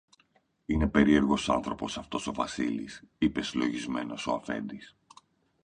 Είναι περίεργος άνθρωπος αυτός ο Βασίλης, είπε συλλογισμένος ο αφέντης